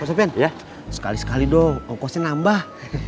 pak sofian sekali sekali dong kokosnya nambah